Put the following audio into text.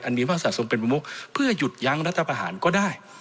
อันมีภาษาทรงเป็นประมวลเพื่อหยุดยั้งรัฐประหารก็ได้